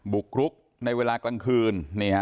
บุกรุกในเวลากลางคืน